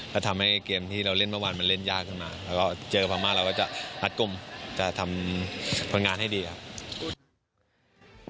ก็ทำให้เกมที่เราเล่นเมื่อวานมันเล่นยากขึ้นมาแล้วก็เจอพม่าเราก็จะพัดกลุ่มจะทำผลงานให้ดีครับ